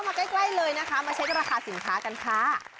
มาใกล้เลยนะคะมาเช็คราคาสินค้ากันค่ะ